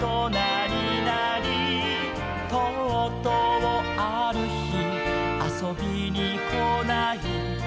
「とうとうある日遊びに来ない」